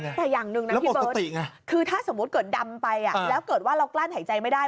แต่อย่างหนึ่งนะพี่เบิร์ตคือถ้าสมมุติเกิดดำไปแล้วเกิดว่าเรากลั้นหายใจไม่ได้